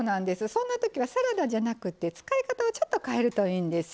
そんな時はサラダじゃなくって使い方をちょっと変えるといいんです。